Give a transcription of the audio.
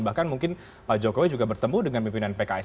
bahkan mungkin pak jokowi juga bertemu dengan pimpinan pks